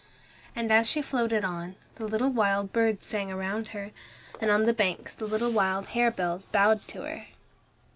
And as she floated on, the little wild birds sang round her, and on the banks the little wild harebells bowed to her.